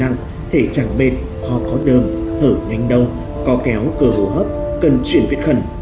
mệt ho có đơm thở nhanh đông co kéo cơ hồ hấp cần chuyển viện khẩn